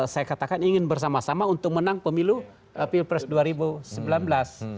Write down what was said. saya katakan ingin bersama sama untuk menang pemilu pilpres dua ribu sembilan belas